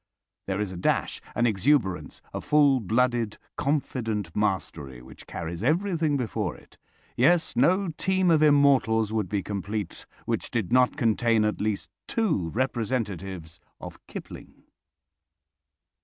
There is a dash, an exuberance, a full blooded, confident mastery which carries everything before it. Yes, no team of immortals would be complete which did not contain at least two representatives of Kipling.